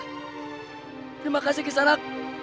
terima kasih kisanak